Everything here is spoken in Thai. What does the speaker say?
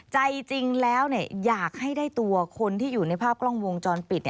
ใจจริงแล้วอยากให้ได้ตัวคนที่อยู่ในภาพกล้องวงจรปิด